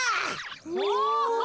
お。